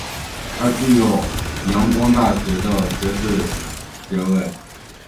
他具有仰光大学的学士学位。